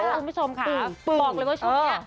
คุณผู้ชมค่ะบอกเลยว่าช่วงนี้